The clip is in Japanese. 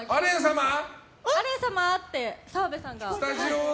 アレン様って澤部さんが。